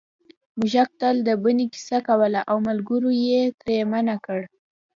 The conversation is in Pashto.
موږک تل د بنۍ کیسه کوله او ملګرو یې ترې منع کړ